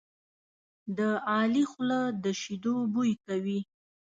د علي خوله د شیدو بوی کوي.